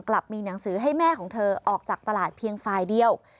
มีหนังสือให้แม่ของเธอออกจากตลาดเพียงฝ่ายเดียว